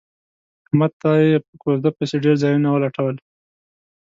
احمد ته یې په کوزده پسې ډېر ځایونه ولټول.